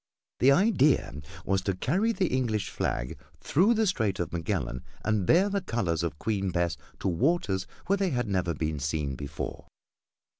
This idea was to carry the English flag through the Strait of Magellan and bear the colors of Queen Bess to waters where they had never been seen before.